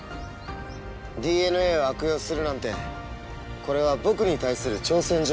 ＤＮＡを悪用するなんてこれは僕に対する挑戦状です。